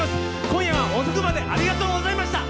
今夜は遅くまでありがとうございました。